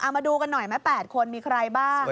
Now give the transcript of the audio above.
เอามาดูกันหน่อย๘คนมีใครบ้าง